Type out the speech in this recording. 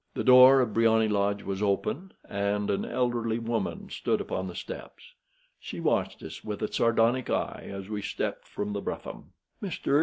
The door of Briony Lodge was open, and an elderly woman stood upon the steps. She watched us with a sardonic eye as we stepped from the brougham. "Mr.